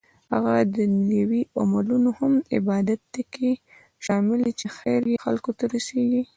هغه دنيوي عملونه هم عبادت کې شامل دي چې خير يې خلکو ته رسيږي